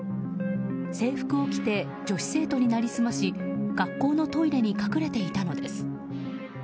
制服を着て女子生徒になりすまし学校のトイレに隠れていたのです。